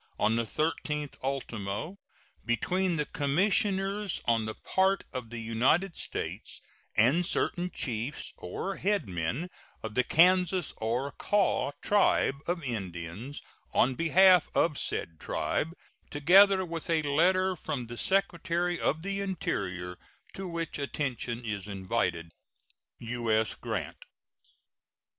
on the 13th ultimo, between the commissioners on the part of the United States and certain chiefs or headmen of the Kansas or Kaw tribe of Indians on behalf of said tribe, together with a letter from the Secretary of the Interior, to which attention is invited. U.S. GRANT.